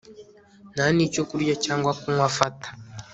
nta nicyo kurya cyangwa kunywa afata